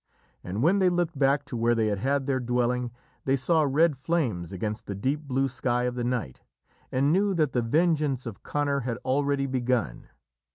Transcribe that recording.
And when they looked back to where they had had their dwelling, they saw red flames against the deep blue sky of the night, and knew that the vengeance of Conor had already begun.